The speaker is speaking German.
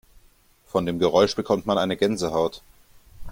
Von dem Geräusch bekommt man eine Gänsehaut.